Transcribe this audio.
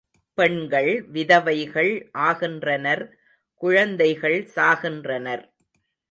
பெண்கள் விதவைகள் ஆகின்றனர் குழந்தைகள் சாகின்றனர்.